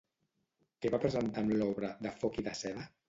Què va presentar amb l'obra De foc i de seda?